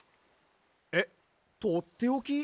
えっとっておき？